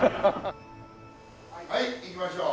はいいきましょう。